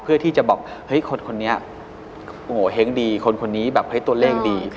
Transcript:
เพื่อที่จะบอกคนนี้เฮ้งดีคนนี้ตัวเลขดี